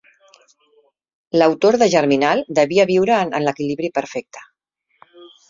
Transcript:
L'autor de Germinal devia viure en l'equilibri perfecte.